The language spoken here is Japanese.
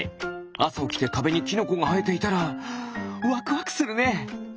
あさおきてかべにキノコがはえていたらワクワクするね！